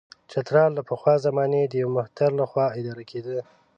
چترال له پخوا زمانې د یوه مهتر له خوا اداره کېده.